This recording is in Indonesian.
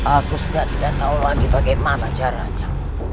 aku sudah tidak tahu lagi bagaimana caranya